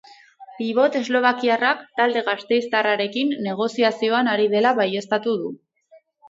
Pibot eslobakiarrak talde gasteiztarrekin negoziazioan ari dela baieztatu du.